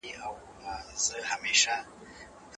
هغوی باید د خپلو جامو پاکوالی په پام کې ونیسي.